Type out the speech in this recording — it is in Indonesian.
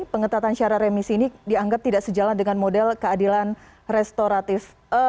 pengetatan syarat remisi ini dianggap tidak sejalan dengan model keadilan restoratif